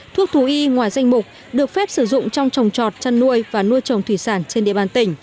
thuốc thú y ngoài danh mục được phép sử dụng trong trồng trọt chăn nuôi và nuôi trồng thủy sản trên địa bàn tỉnh